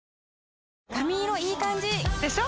髪色いい感じ！でしょ？